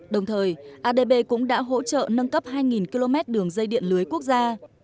đồng thời adb cũng đã hỗ trợ nâng cấp hai km đường dây điện lưới quốc gia